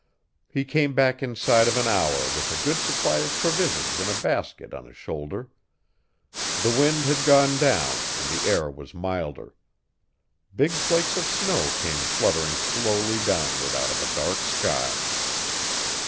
He came back inside of an hour with a good supply of provisions in a basket on his shoulder. The wind had gone down and the air was milder. Big flakes of snow came fluttering slowly downward out of a dark sky.